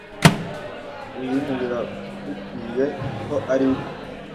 uyime biragukwiye ko ariwe